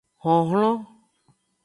Honhlon.